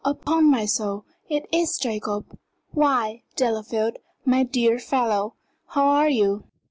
upon my soul, it is Jacob! Why, Delafield, my dear fellow, how are you?"